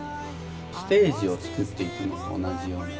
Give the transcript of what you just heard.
ステージを作っていくのと同じような。